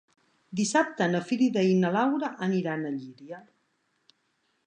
Dissabte na Frida i na Laura aniran a Llíria.